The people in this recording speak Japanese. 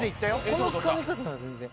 このつかみ方なら全然。